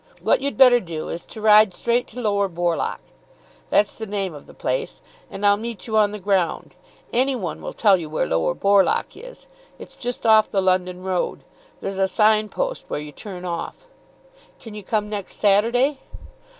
What you'd better do is to ride straight to Lower Borlock that's the name of the place and I'll meet you on the ground. Any one will tell you where Lower Borlock is. It's just off the London road. There's a sign post where you turn off. Can you come next Saturday?"